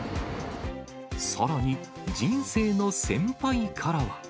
さらに人生の先輩からは。